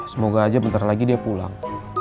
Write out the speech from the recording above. semoga aja bentar lagi dia pulang